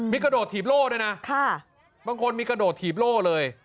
มีกระโดดถีบโล่ด้วยนะบางคนมีกระโดดถีบโล่เลย